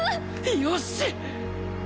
よし！